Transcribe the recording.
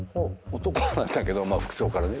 男なんだけど服装からね。